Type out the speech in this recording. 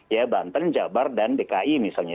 ya banten jabar dan dki misalnya